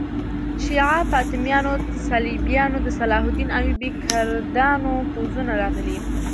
شیعه فاطمیانو، صلیبیانو، د صلاح الدین ایوبي کردانو پوځونه راغلي.